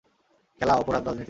খেলা, অপরাধ, রাজনীতি।